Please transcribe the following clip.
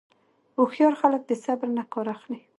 هوښیار خلک د صبر نه کار اخلي.